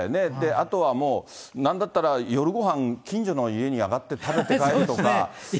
あとはもう、なんだったら夜ごはん、近所の家に上がって食べて帰るとか。